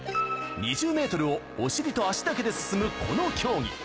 ２０ｍをおしりと足だけで進むこの競技。